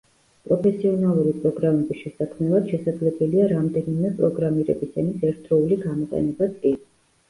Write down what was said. პროფესიონალური პროგრამების შესაქმნელად შესაძლებელია რამდენიმე პროგრამირების ენის ერთდროული გამოყენებაც კი.